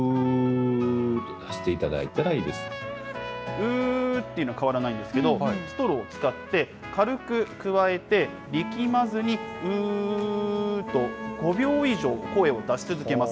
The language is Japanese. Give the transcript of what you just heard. うーっていうのは変わらないんですけど、ストローを使って、軽くくわえて、力まずに、うーと、５秒以上、声を出し続けます。